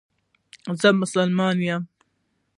زه مسلمان یم